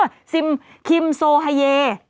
เออคิมโซเฮเย